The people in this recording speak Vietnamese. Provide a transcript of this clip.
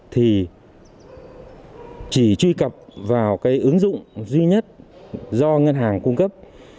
thì chỉ truy cập vào cái ứng dụng duy nhất do ngân hàng cung cấp